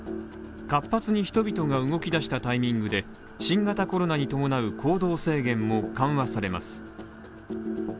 活発に人々が動き出したタイミングで、新型コロナに伴う行動制限も緩和されます。